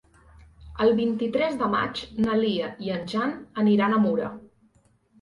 El vint-i-tres de maig na Lia i en Jan aniran a Mura.